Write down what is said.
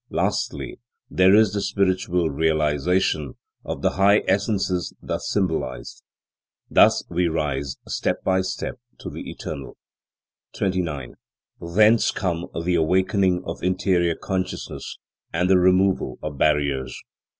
Lastly, there is the spiritual realization of the high essences thus symbolized. Thus we rise step by step to the Eternal. 29. Thence come the awakening of interior consciousness, and the removal of barriers.